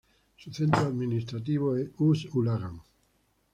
Su centro administrativo es Ust-Ulagan.